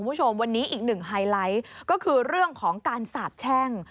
คุณผู้ชมวันนี้อีกหนึ่งไฮไลท์ก็คือเรื่องของการสาบแช่ง